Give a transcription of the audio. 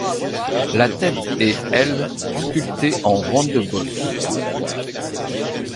La tête est, elle, sculptée en ronde-bosse.